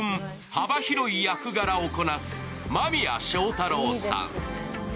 幅広い役柄をこなす間宮祥太朗さん。